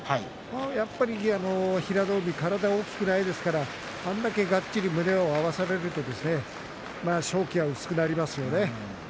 やっぱり平戸海体が大きくないですからがっちり胸を合わせられると勝機は薄くなりますよね。